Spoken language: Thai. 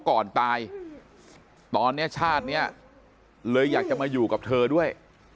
ก่อนตายตอนนี้ชาตินี้เลยอยากจะมาอยู่กับเธอด้วย